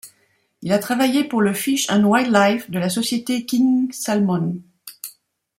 Il a travaillé pour le Fish And WildLife de la société King Salmon.